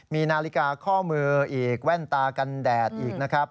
มีนาฬิกาข้อมืออีกแว่นตากันแดดอีกนะครับ